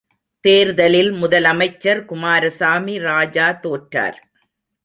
தேர்தலில் முதலமைச்சர் குமாரசாமி ராஜா தோற்றார்.